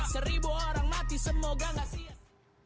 seribu orang mati semoga gak siap